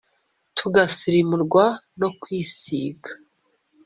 tugasirimurwa no kwisiga,